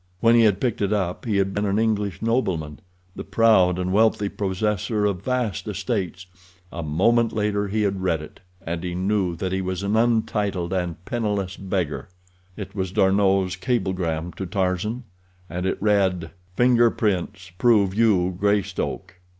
When he had picked it up he had been an English nobleman, the proud and wealthy possessor of vast estates—a moment later he had read it, and he knew that he was an untitled and penniless beggar. It was D'Arnot's cablegram to Tarzan, and it read: Finger prints prove you Greystoke.